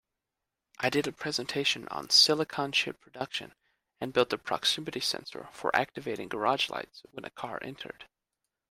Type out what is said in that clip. I did a presentation on silicon chip production and built a proximity sensor for activating garage lights when a car entered.